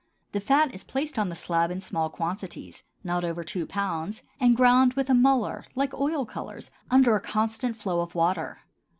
The fat is placed on the slab in small quantities (not over two pounds) and ground with a muller, like oil colors, under a constant flow of water.